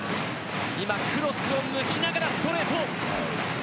今、クロスを抜きながらストレート。